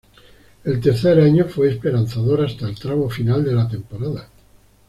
El tercer año fue esperanzador hasta el tramo final de la temporada.